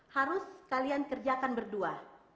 harus kalian kerjakan berdua